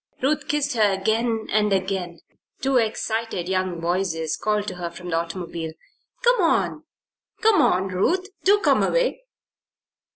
Ruth kissed her again and again. Two excited young voices called to her from the automobile. "Come on! Come on, Ruth. Do come away!"